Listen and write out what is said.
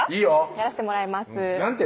やらしてもらいます何て？